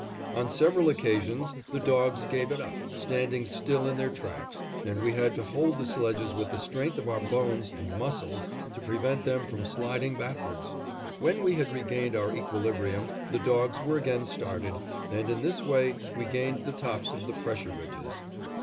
On several occasions the dogs gave it up, standing still in their tracks, and we had to hold the sledges with the strength of our bones and muscles to prevent them from sliding backwards. When we had regained our equilibrium the dogs were again started, and in this way we gained the tops of the pressure ridges.